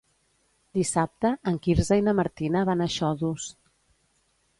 Dissabte en Quirze i na Martina van a Xodos.